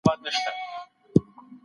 په کور کي بد اخلاق نه خپرول کېږي.